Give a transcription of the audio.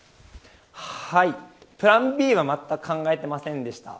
プランＢはまったく考えていませんでした。